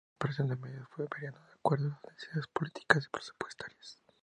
La incorporación de medios fue variando de acuerdo a las necesidades políticas y presupuestarias.